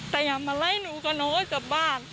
แต่อย่ามาไล่หนูกับน้องจากบ้าน